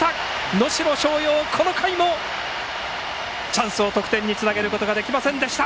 能代松陽、この回もチャンスを得点につなげることができませんでした。